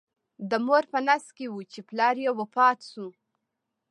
د مور په نس کې و چې پلار یې وفات شو.